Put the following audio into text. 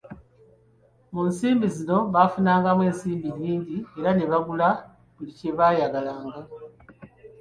Mu nsumbi zino baafunangamu ensimbi nnyingi era ne bagula buli kyebayagalanga.